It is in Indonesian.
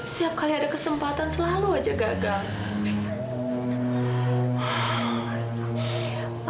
setiap kali ada kesempatan selalu aja gagal